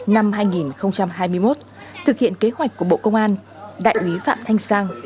năm hai nghìn hai mươi một thực hiện kế hoạch của bộ công an đại úy phạm thanh sang